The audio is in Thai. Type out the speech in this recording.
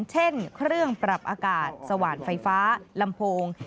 เช่นเครื่องปรับอากาศสว่านไฟฟ้าลำโพง